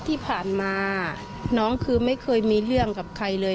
ที่ผ่านมาน้องคือไม่เคยมีเรื่องกับใครเลย